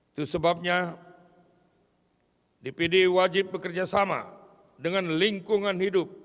itu sebabnya dpd wajib bekerjasama dengan lingkungan hidup